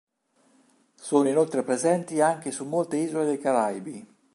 Sono inoltre presenti anche su molte isole dei Caraibi.